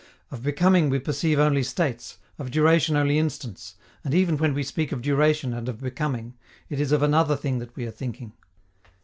Of becoming we perceive only states, of duration only instants, and even when we speak of duration and of becoming, it is of another thing that we are thinking.